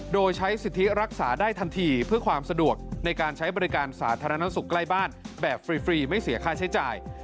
โดยใช้สิทธิรักษาได้ทันทีเพื่อความสะดวกในการใช้บริการสาธารณสุขใกล้บ้านแบบฟรีไม่เสียค่าใช้จ่าย